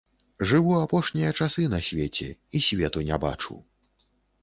Жыву апошнія часы на свеце і свету не бачу.